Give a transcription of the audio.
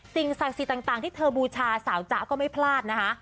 สิ่งศักดิ์สิทธิ์ต่างที่เธอบูชาสาวจ๊ะก็ไม่พลาดนะคะ